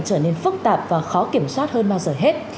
trở nên phức tạp và khó kiểm soát hơn bao giờ hết